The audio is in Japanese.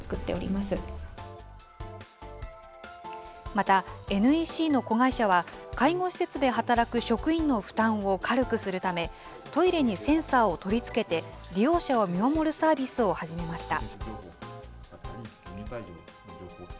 また、ＮＥＣの子会社は、介護施設で働く職員の負担を軽くするため、トイレにセンサーを取り付けて、利用者を見守るサービスを始めました。